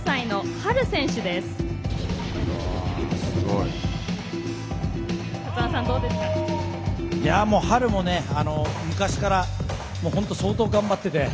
Ｈａｒｕも昔から本当に相当頑張っていて。